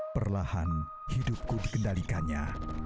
perlahan hidupku dikendalikannya